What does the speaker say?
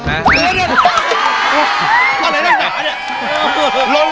อะไรน่ะ